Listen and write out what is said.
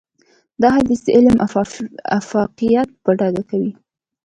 دا حديث د علم افاقيت په ډاګه کوي.